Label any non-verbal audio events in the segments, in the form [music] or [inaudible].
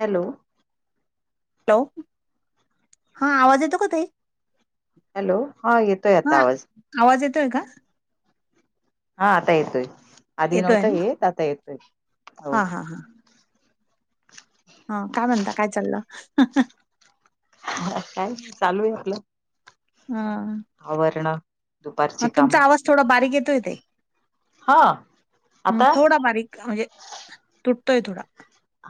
Hello, hello, हा आवाज येतो का ताई? हॅलो हा येतोय आता हा आवाज. आवाज येतोय का? हा आता येतोय आधी येतोय नव्हता ना? येत आता येतोय हो. हा हा हा हा काय म्हणता काय चाललं? काय चालू आहे आपल हा आवरण दुपारची तुमचा कामं आवाज थोडा बारीक येतोय तेे हा हम् आता थोडा बारीक म्हणजे तुटतोय तथोडा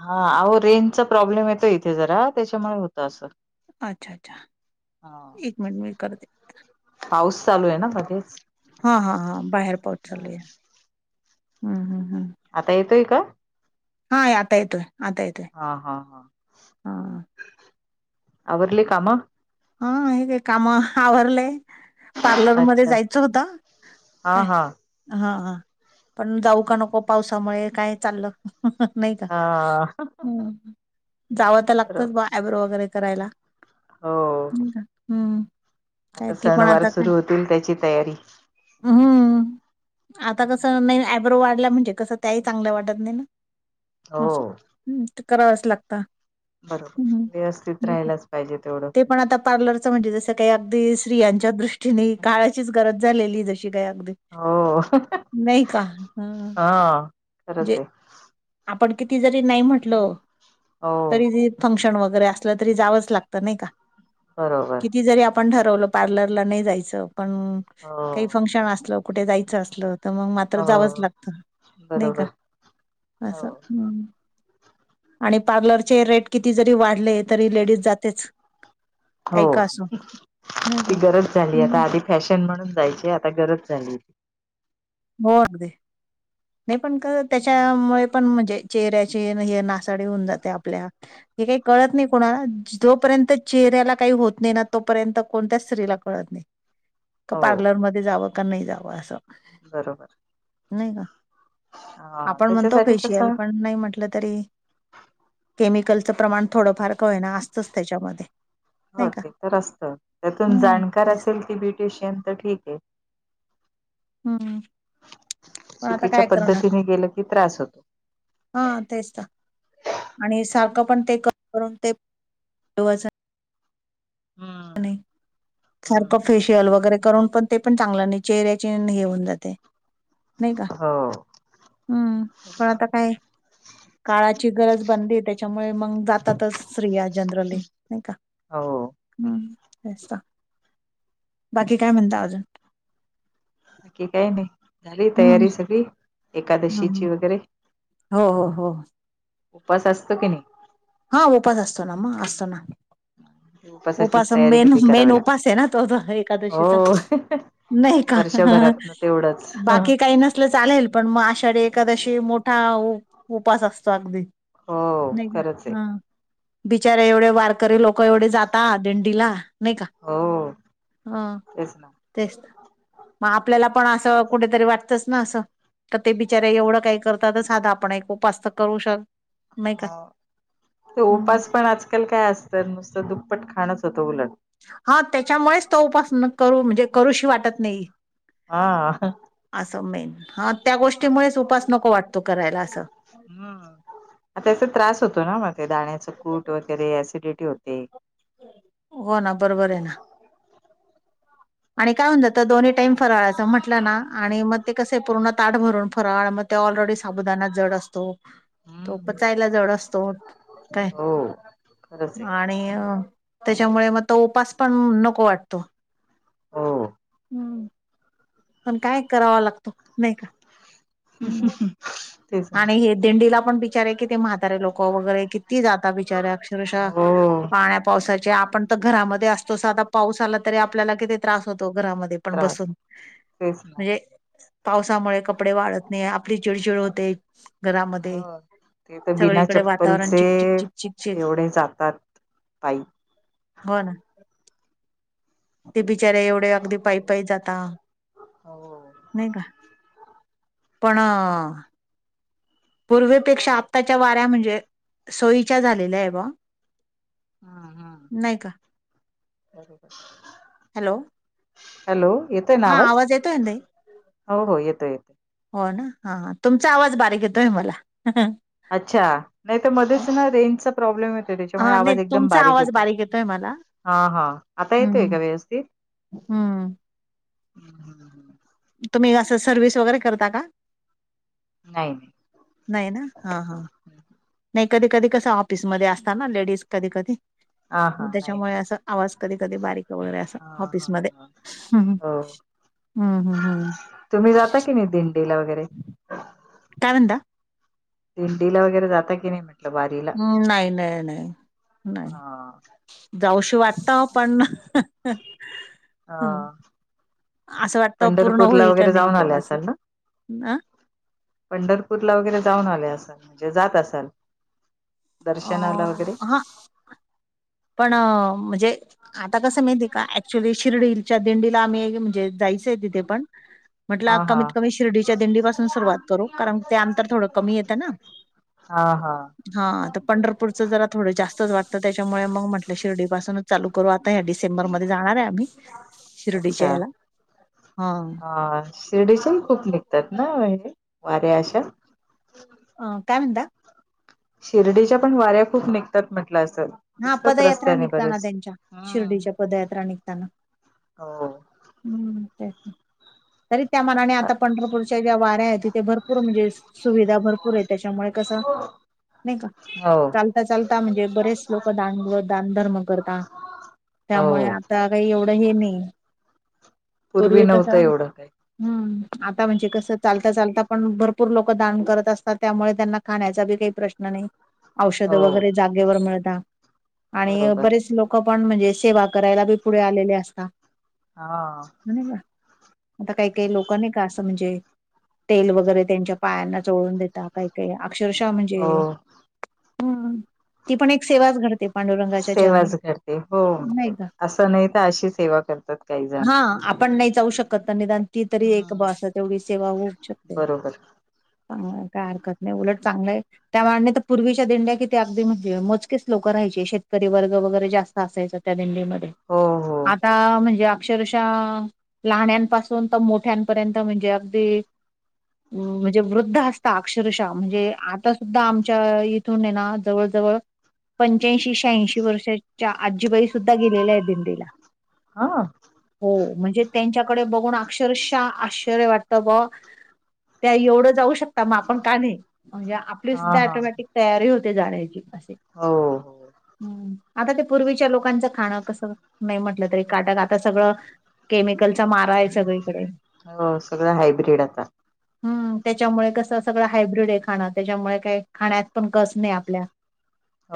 हा अह रेंजचा प्रॉब्लेम येतो इथे जरा त्याच्यामुळे होतं अस अच्छा अच्छा एक मिनट मी करते. पाऊस चालू आहे ना मगेच हा हा हां बाहेर पोचलले ह ह आता येतोय का? हा आतायेतय आतायय हा हा हा आवरवरले काम. हा हे काय काम आवरवरलंय. पार्लरमध्येध्ये अच्छा जायचं होत हा काय? हा हा ह पण जाऊ का नको पावसामुळे काय चाललं नाही का हा ह जावं तर बरोबर लागतंच बा ब्रो वगैरे करायला. हो हम्म काय आता ती पण सणवार आता सुरू होतील त्याची तयारी. हम आता कसं नाही आयब्रो वाढला म्हणजे कसं त्याही चांगल्या वाटत नाही ना हो अस् ते करावच लागता. बरोबर व्यवस्थित राहियलाच पाहिजे तेवढं. ते पण आता पार्लरच म्हणजे जस काही अगदी स्तियांच्या दृष्टीने काळाचीच गरज झालेली जशी काही अगदी हो नाही का? हं. हा खर म्हणजे ते आहे. आपण किती जरी नाही म्हटलं हो तरी ज फंक्शन वगैरे असलं तरी जावंच लागतं नाही का? बरोबर. की जरी आपण ठरवलं पार्लरला नाही जायचं पण हो काही फंक्शन असलं कुठे जायचं असलं तर मग मात्र जावंच हो लागत नाही का. बरोबर हो असं हम्म आणि पार्लरचे रेट किती जरी वाढले तरी लेडीज जातेच. हो काही का असो नाही का ती गरज झाली हम्म. आता आधी फॅशन म्हणून जायची आता गरज झाली. हो अगदी नाही पण का त्याच्यामुळे पण म्हणजे चेहऱ्याचे हे नासाडी होऊन जाते आपल्या हे काही कळत नाही कोणाला जोपर्यंत चेहऱ्याला काही होत नाही ना तोपर्यंत कोणत्या स्त्रीला कळत नाही. का हो पार्लरमध्येध्ये जावं का नाही जावं असं. बरोबर. नाही का हा -आपण म्हणतो त्याच्यासाठी फेशियल कसं पण नाही म्हटलं तरी केमिकलचं प्रमाण थोडंफार का होईना असतंच त्याच्यामध्ये. हो नाही का ते तर असतं त्यातून हम्म जाणकार तेच असेल ती ब्युटिशियन तर ठीक ये. हम्. चुकीच्या पद्धतीने गेलं की त्रास होतो. हा तेच तर आणि सारखं पण ते क करून ते हा. नाही सारखं फेशियल वगैरे करून पण ते पण चांगलं नाही चेहऱ्याचे हेऊन जाते. नाई का हो हम् पण आता काय काळाची गरज बनलीय त्याच्यामुळे मग जातातच स्त्रिया जनरली नाय का. हो. हम्म असा. बाकी काय म्हणता अजून? बाकी काही नाय, झाली हम्म तयारी सगळी हम्म एकादशीची वगैरे? हो हो हो. उपास असतो की नाय? हो उपास असतो ना म असतो ना. उपास उपवासाचीच तयारी मेन किती मेन करावी लागते. उपास आहे ना तो एकादशीचा. हो नाही का वर्षभरातन तेवढंच. बाकी काय नस सल- चालेल पण मग आशाढ एखाद्याशी मोठा उपास असतो अगदी. हो नाही का खरंच आहे. हा, बिचारे एवढे वारकरी लोक एवढे जात ता दिंडीला नाय का हो हा तेच ना. तेच त. मग आपल्याला पण असं कुठेतरी वाटतच ना असं. तर ते बिचारे एवढं काही करतात साधा आपण एक उपास तर करू शक नाही का हो तो हम्म. उपास पण आजकाल काय असतं नुसतं दुप्पट खाणच होतं उलट. हा त्याच्यामुळेच तो उपास न- करू म्हणजे करूशी वाटत नाही. हा. असं मेन हा त्या गोष्टीमुळेच उपास नको वाटतो करायला असं. हम्म आता याचा त्रास होतो ना दाण्याच कूट वगैरे ॲसिडिटी होते. हो ना बरोबर आहे ना. आणि काय होऊन जातं दोन्ही टाईम फराळाचं म्हटलं ना आणि मग ते कसं पूर्ण ताट भरून फराळ म त्यो ऑलरेडी साबुदाना जड असतो, तो हम्म पचायला जड असतोत काय. हो. खरंच आहे. आणि अ त्याच्यामुळे मग तो उपास पण नको वाटतो. हो हम्म. पण काय करावा लागतो नाही का. हम्म तेच ना. आणि हे दिंडीला पण बिचारे आहे किती म्हा तारे लोक वगैरे किती जाता बिचारे अक्षरशा हो पाण्या पावसाचे आपण तर घरामध्ये असतो साधा पाऊस आला तरी आपल्याला किती त्रास होतो घरामध्ये पण त्रास बसून. तेच. ना. म्हणजे पावसामुळे कपडे वाळत नाय आपली चिडचिड होते घरामध्ये. हो ते तर बिना सगळीकडे वातावरण चप्पलचे चिकचिक चिकचिक चिक एवढे जातात पायी. हो ना. ते बिचारे एवढे अगदी पायी पायी जाता हो. नाय का. पण पूर्वेपेक्षा आत्ताच्या वाऱ्या म्हणजे, सोयीच्या झालेल्या आहे बवा. हा हा, का बरोबर. हॅलो? हॅलो, येतोय ना हा आवाज? येतोय ना ताई हो हो, येतोय येतोय. हो ना, हा हा, तुमचा आवाज बारीक येतोय मला. अच्छा! नाही तर मध्येच हेना रेंजचा प्रॉब्लेम येतोय, त्याच्यामुळे हा नाही आवाज एकदम तुमचा बारीक आवाज येतो. येतोय मला हा हा, आता येतोय हम्म का व्यवस्थित? हम्म हम्म. तुम्ही असं सर्विस वगैरे करता का? नाही नाही. नाही ना, हा हा. [inaudible] नाही, कधी कधी, कसं ऑफिसमध्ये असता ना लेडीज, कधी कधी हा हा नाही त्याच्यामुळे नाही. असं आवाज कधी कधी बारीक वगैरे, अस हा हा ऑफिसमध्ये. हा. हो. हम्म हम्म हम्म. तुम्ही जाता की नाही दिंडीला वगैरे? काय म्हणता? दिंडीला वगैरे जाता की नाही म्हं हम्म! नाही, नाही, नाही, नाही. हा जाऊशी वाटत हो पण हं. हा. असं वाटतं पूर्ण पंढरपूरला होईल का वगैरे नाही जाऊन ब आले असं असाल ना? अ पंढरपूरला वगैरे जाऊन आले असाल, म्हणजे जात असाल दर्शनाला वगैरे? हा पण म्हणजे, आता कसं हे माहिती आहे का, ॲक्च्युली शिर्डीलच्या दिंडीला आम्ही, एग म्हणजे जायचे आहे तिथे पण. म्हटला हा हा कमीत कमी शिर्डीच्या दिंडी पासून सुरुवात करू, कारण ते आंतर थोडं कमी येतं ना. हा हा. हा, तर पंढरपूरचं जरा थोडं जास्तच वाटतं, त्याच्यामुळे मग म्हटलं शिर्डीपासूनच चालू करू आता या डिसेंबरमध्ये जाणार हाय आम्ही, शिर्डीच्या अच्छा. ह्याला, हा. शिर्डीच्याही खूप निघतात ना, ह्या वाऱ्या अशा? अं काय म्हणता? शिर्डीच्या पण वाऱ्या खूप निघतात म्हटलं असं. हा, दिसतात पदयात्रा रस्त्याने निघताना बरेच त्यांच्या, हम्म शिर्डीच्या पदयात्रा निघता ना. हो हम्म ते तरी त्या मानाने, अ, आता पंढरपूरच्या ज्या वाऱ्या तिथे भरपूर म्हणजे, सुविधा भरपूर येत त्याच्यामुळे कसा? नाही का हो चालता चालता म्हणजे बरेचं लोक दानगुळ, दानधर्म करतात, त्यामुळे हो आता काही एवढं हे नाही. पूर्वी पुर्वी नव्हतं कसं, एवढं काही हम्म आता म्हणजे कसं चालता चालता पण, भरपूर लोक दान करत असतात. त्यामुळे त्यांना खाण्याचा बी काही प्रश्न नाही. औषधं हो वगैरे जागेवर मिळता आणि बरोबर बरेच लोकं पण म्हणजे, सेवा करायला बी पुढे आलेले असतां हां का आता काही काही लोकं नाही का असं म्हणजे, तेल वगैरे त्यांच्या पायांना चोळून देतात. काय काय अक्षरशः म्हणजे, हो हम्, ती पण एक सेवाच घडते. पांडुरंगाच्या चरणी सेवाच घडते, हो, म्हणजे नाही का असं नाही तर अशी सेवा करतात काही जण. हा आपण नाही जाऊ शकत निदान ती तरी एक ब हम्म अस तेवढी सेवा होऊच शकते.... बरोबर हं, काय हरकत नाही उलट चांगलंय त्या मानानं तर पूर्वीच्या दिंड्या किती अगदी म्हणजे मजबूत... तितकेच लोक राहायचे शेतकरी वर्ग वगैरे जास्त असायच त्या दिंडीमध्ये हो हो हो आता म्हणजे.... अक्षरशः लाहान्यानपासून तर मोठ्यांपर्यंत म्हणजे अगदी... म्हणजे वृद्ध असता अक्षरशः म्हणजे आ... आता आमच्या इथूनयना ना जवळजवळ... पंच्याऐंशी शेह्यांऐंशी वर्षाच्या आजीबाई सुद्धा गेलेल्या आहे दिंडीला.... हा.... हो म्हणजे त्यांच्याकडे बघून अक्षरशः आश्चर्य वाटतं बघ..... त्या एवढं जाऊ शक... मग आपण का नाही म्हणजे आपली हा सुद्धा हा ॲटोमॅटिक तयारी होते जाण्याची असय... हो.... हो हम्म आता ते पूर्वीच्या लोकांचं खाणं कसं नाही म्हटलं तरी काटक आता सगळं... केमिकलचा माराय सगळीकडे... हो सगळं हायब्रेड आता...... हम्म त्याच्यामुळे कस सगळं हायब्रीड आहे खाणं त्याच्यामुळे काय खाण्यात पण कस नाही आपल्या.....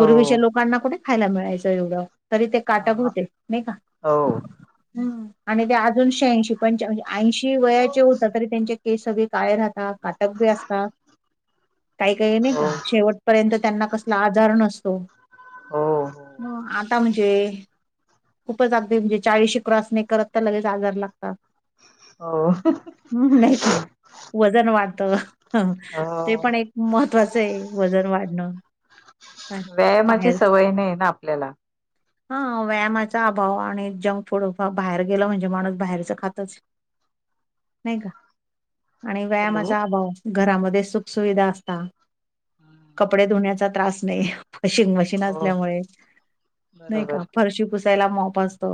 हो लोकांना कुठ खायला मिळायचं एवढं तरी ते काटक हा होते नाही का?... हो ह आणि ते अजून शेह्यांऐंशी पंच ऐंशी वयाचे होतं तरी त्यांच्या... के सगळे राहतात काटक बी असता.... काही काही नाही हो का शेवटपर्यंत त्यांना कसला आजार नसतो..... हो ह आता म्हणजे?.. खूपच अगदी म्हणजे चाळीसशी क्रॉस नाही करत तर लगेच आजार लागता.... हं [unintelligible] हम्म नाही तर वजन वाढतं ते हो पण एक.... महत्त्वाचंय वजन वाढणं.... काय व्यायामाची बाहेर सवय नाही ना आपल्याला....... हा व्यायामाचा अभाव आणि जंक फूड बाहेर गेला म्हणजे माणूस बाहेरचं खातचं.... नाही का?... आणि हॅलो व्यायामाचा अभाव घरामध्ये सुखसुविधा असता हम्म कपडे धुण्या.... त्रास नाही वॉशिंग मशीन हो असल्यामुळे नाही. का बरोबर फरशी पु.... पुुसायला माॅप असतो.....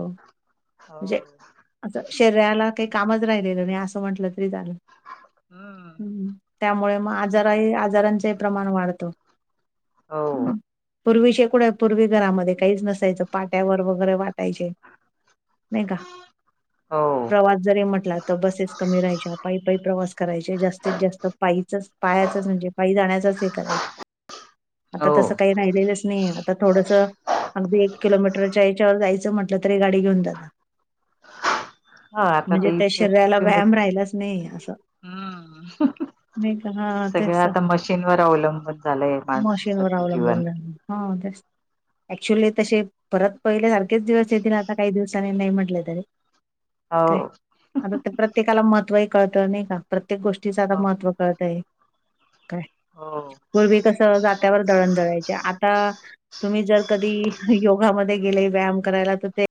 हो... म्हणजे असं शरीराला काही कामच राहिलेलं मी असं म्हंटलं तरी चालेल.... हम्म त्यामुळे मग आजारही आजारांचही प्रमाण वाढतं... हो.. पूर्वी शेकूड पूर्वी घरामध्ये काहीच नसायचं पाट्यावर वगैरे वाटायचे... मेघा... हो... प्रवास जरी म्हटला तर बसेस कमी राहायच्या पायी पायी प्रवास करायचे जास्तीत जास्त पायीचच.. पायाचाच म्हणजे पायी जाण्याचाच हे करायचं... आता हो तसं काही राहिलेलंच नाही आता थोडस... अगदी एक किलोमीटरच्या याच्यावर जायचं म्हटलं तरी गाडी घेऊन जात... ह आता म्हणजे ते त्या इथे शरीराला इथून व्यायाम राहिलाच नाही असं.. हम्म नाही का हा तेच... शिनवार वलंबत... मशीन वर अवलंबून राहिल हा तेच ऍक्च्युअली तसे परत पहिल्यासारखेच दिवस येतील आता काही दिवसांनी नाही म्हटले तरी. हो [inaudible] काय आता ते प्रत्येकाला महत्व कळतं नाही का प्रत्येक गोष्टीचं आता हो महत्त्व कळतय हे काय हो पूर्वी कस जात्यावर दळण दळायचे आता तुम्ही जर कधी योगामध्ये गेले व्यायाम करायला तर ते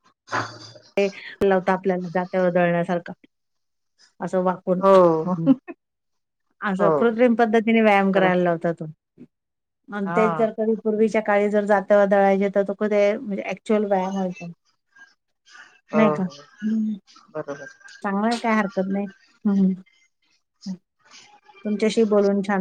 ह [inaudible] ते [unintelligible] आपल्याला जात्यावर दळण्यासारखा असं वाग हो असं हो कृत्रिम पद्धतीने व्यायाम करायला खरंच लावता तो. आणि हा तेच जर कधी पूर्वीच्या काळी जर जात दळायचे तर ते म्हणजे ऍक्च्युअल व्यायाम होयचा. ह हो बरोबर. त्यामुळे काय हरकत नाही तुमच्याशी बोलुन छान.